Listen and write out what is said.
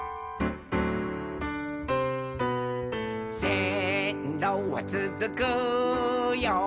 「せんろはつづくよ